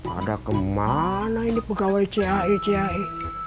ada kemana ini pegawai cae cae